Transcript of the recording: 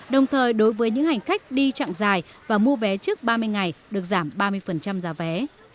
đồng thời đối với những hành khách đi chặng dài và mua vé trước ba mươi ngày được giảm ba mươi giá vé